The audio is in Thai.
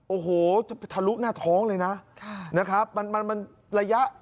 โอ้โหจะไปทะลุหน้าท้องเลยนะนะครับมันมันระยะ